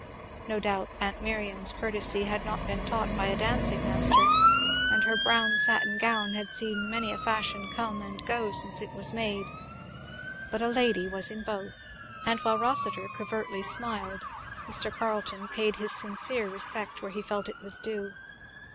No doubt aunt Miriam's courtesy had not been taught by a dancing master, and her brown satin gown had seen many a fashion come and go since it was made, but a lady was in both; and while Rossitur covertly smiled, Mr. Carleton paid his sincere respect where he felt it was due.